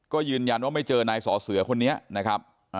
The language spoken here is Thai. ก็ยืนยันว่าไม่เจอนายสอเสือคนนี้นะครับ